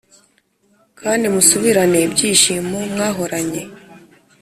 kandi musubirane ibyishimo mwahoranye.